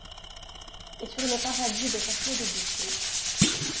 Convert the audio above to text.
Et sur les paradis des reflets de bûchers ;